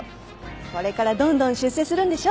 これからどんどん出世するんでしょ。